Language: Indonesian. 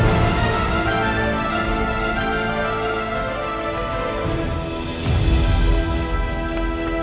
susu buat ibu hamil kan